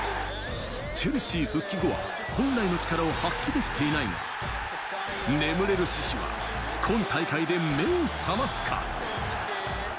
チェルシー復帰後は本来の力を発揮できていないが、眠れる獅子は今大会で目を覚ますか。